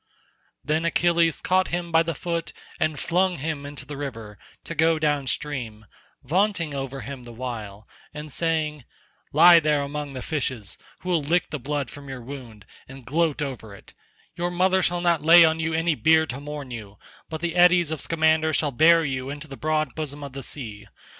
Then Achilles caught him by the foot and flung him into the river to go down stream, vaunting over him the while, and saying, "Lie there among the fishes, who will lick the blood from your wound and gloat over it; your mother shall not lay you on any bier to mourn you, but the eddies of Scamander shall bear you into the broad bosom of the sea.